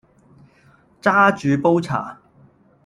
揸住煲茶